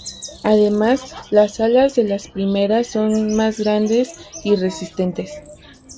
Además, las alas de las primeras son más grandes y resistentes.